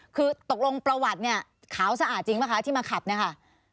คือตกลงประวัติเนี่ยขาวสะอาดจริงป่ะคะที่มาขับเนี่ยค่ะ